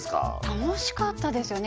楽しかったですよね